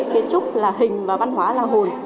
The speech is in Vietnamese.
kiến trúc là hình và văn hóa là hồn